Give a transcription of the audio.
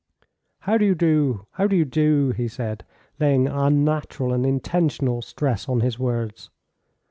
"How do you do? How do you do?" he said, laying an unnatural and intentional stress on his words.